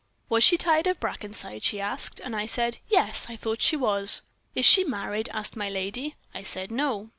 "'Was she tired of Brackenside?' she asked, and I said, 'Yes I thought she was.' "'Is she married?' asked my lady. I said, 'No.'